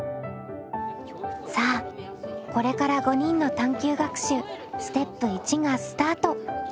さあこれから５人の探究学習ステップ１がスタート！